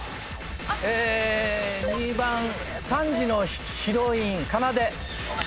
２番３時のヒロインかなで。